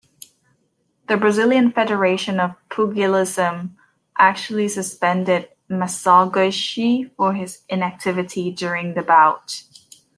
The Brazilian Federation of Pugilism actually suspended Massagoishi for his inactivity during the bout.